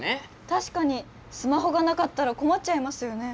確かにスマホがなかったら困っちゃいますよね。